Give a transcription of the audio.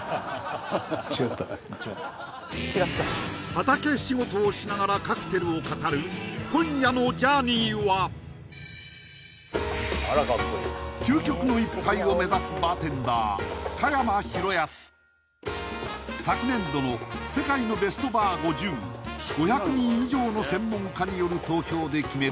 畑仕事をしながらカクテルを語る今夜のジャーニーは究極の１杯を目指す昨年度の世界のベストバー５０５００人以上の専門家による投票で決める